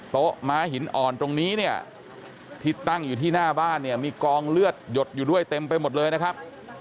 ม้าหินอ่อนตรงนี้เนี่ยที่ตั้งอยู่ที่หน้าบ้านเนี่ยมีกองเลือดหยดอยู่ด้วยเต็มไปหมดเลยนะครับ